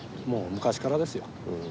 もう昔からですよ。